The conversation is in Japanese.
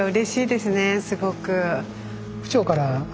すごく。